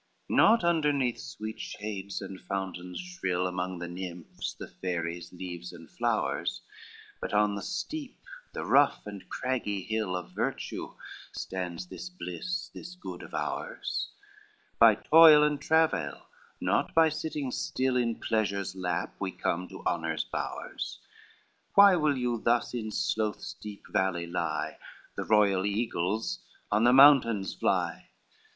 LXI "Not underneath sweet shades and fountains shrill, Among the nymphs, the fairies, leaves and flowers; But on the steep, the rough and craggy hill Of virtue stands this bliss, this good of ours: By toil and travel, not by sitting still In pleasure's lap, we come to honor's bowers; Why will you thus in sloth's deep valley lie? The royal eagles on high mountains fly.